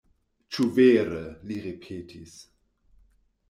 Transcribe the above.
Ĉu vere!? li ripetis.